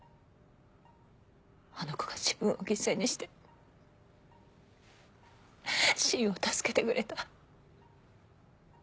あの子が自分を犠牲にして芯を助けてくれた。